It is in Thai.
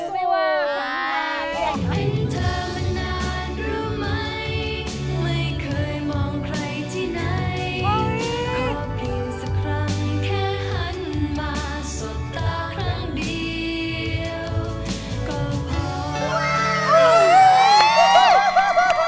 ไม่ว่า